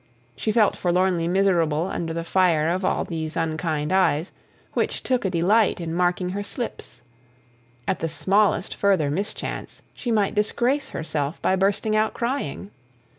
She felt forlornly miserable under the fire of all these unkind eyes, which took a delight in marking her slips: at the smallest further mischance she might disgrace herself by bursting out crying.